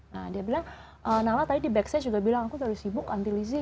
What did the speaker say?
nah dia bilang nala tadi di backstage juga bilang aku udah sibuk anti lizi